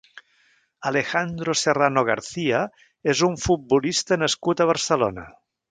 Alejandro Serrano García és un futbolista nascut a Barcelona.